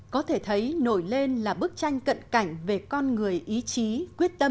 có thể thấy nổi lên là bức tranh cận cảnh về con người ý chí quyết tâm